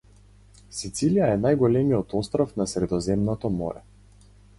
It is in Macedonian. Сицилија е најголемиот остров на Средоземното Море.